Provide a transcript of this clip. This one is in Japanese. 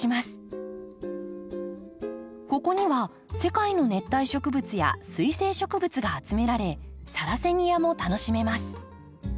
ここには世界の熱帯植物や水性植物が集められサラセニアも楽しめます。